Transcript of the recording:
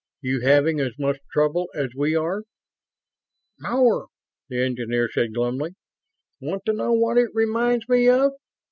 You having as much trouble as we are?" "More," the engineer said, glumly. "Want to know what it reminds me of?